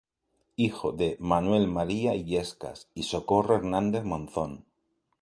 Hijo de Manuel María Illescas y Socorro Hernández Monzón.